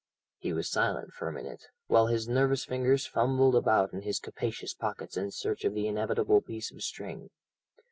He was silent for a minute, while his nervous fingers fumbled about in his capacious pockets in search of the inevitable piece of string.